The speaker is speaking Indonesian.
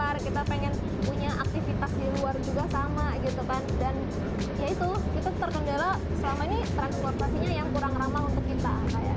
dan ya itu kita tergendara selama ini transportasinya yang kurang ramah untuk kita